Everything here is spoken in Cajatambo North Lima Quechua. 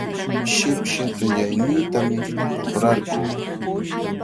Shipshi qillayniitami uqrarquu.